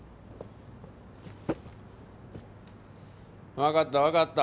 わかったわかった。